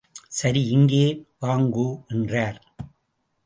சரி இங்கே வாங்கோ, என்றார்.